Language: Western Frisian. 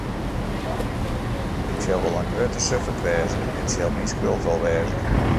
Ik sil wol in grutte suffert wêze, it sil myn skuld wol wêze.